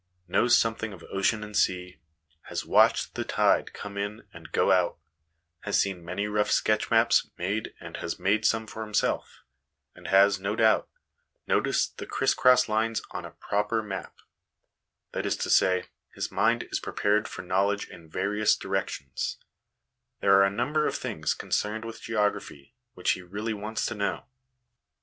" knows something of ocean and sea, has watched the tide come in and go out, has seen many rough sketch maps made and has made some for himself, and has, no doubt, noticed the criss cross lines on a 'proper' map ; that is to say, his mind is prepared for know ledge in various directions ; there are a number of things concerned with geography which he really wants to know.